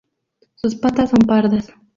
Sus patas son pardas.